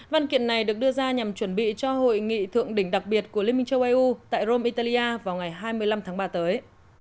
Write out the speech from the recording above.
văn kiện này được đưa ra nhằm chuẩn bị cho hội nghị thượng đỉnh đặc biệt của liên minh châu âu tại rome italia vào ngày hai mươi năm tháng ba tới